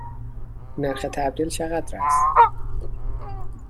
نرخ تبدیل چقدر است؟